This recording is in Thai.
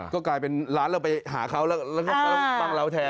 ก็กลายเป็นร้านเราไปหาเขาแล้วก็ปังเราแทน